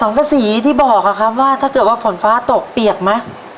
กษีที่บอกอะครับว่าถ้าเกิดว่าฝนฟ้าตกเปียกไหม